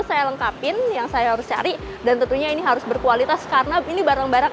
saya lengkapin yang saya harus cari dan tentunya ini harus berkualitas karena ini barang barang